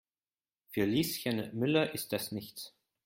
Für Lieschen Müller ist das nichts.